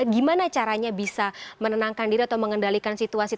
gimana caranya bisa menenangkan diri atau mengendalikan situasi